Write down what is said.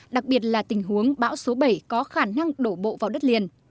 đặc biệt là tình huống bão số bảy có khả năng đổ bộ vào đất liền